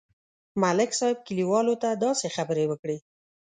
ملک صاحب کلیوالو ته داسې خبرې وکړې.